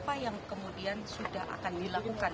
apa yang kemudian sudah akan dilakukan